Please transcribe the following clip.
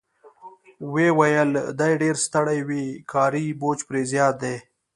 ویې ویل: دی ډېر ستړی وي، کاري بوج پرې زیات دی.